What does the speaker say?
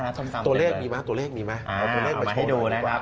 ตัวเลขมีมาเอามาให้ดูเลยครับ